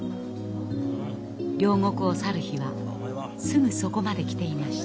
両国を去る日はすぐそこまで来ていました。